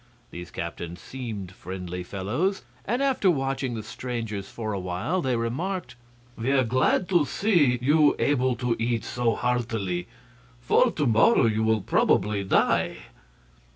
These captains seemed friendly fellows, and after watching the strangers for a while they remarked: "We are glad to see you able to eat so heartily; for to morrow you will probably die."